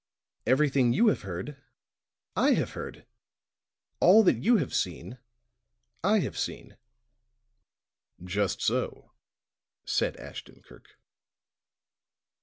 Everything you have heard, I have heard; all that you have seen, I have seen." "Just so," said Ashton Kirk.